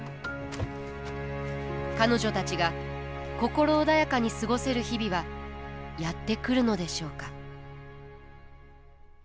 彼女たちが心穏やかに過ごせる日々はやって来るのでしょうか。